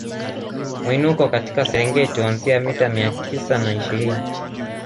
Mwinuko katika Serengeti huanzia mita mia tisa na ishirini